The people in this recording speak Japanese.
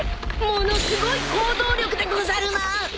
［ものすごい行動力でござるな！］